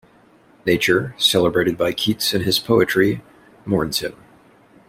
Nature, celebrated by Keats in his poetry, mourns him.